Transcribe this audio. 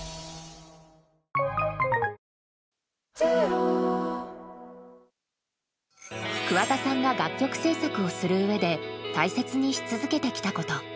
はぁ桑田さんが楽曲制作をするうえで大切にし続けてきたこと。